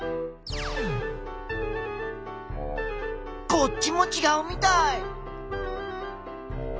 こっちもちがうみたい！